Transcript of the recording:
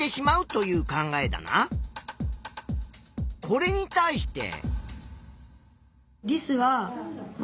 これに対して。